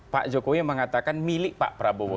pak jokowi mengatakan milik pak prabowo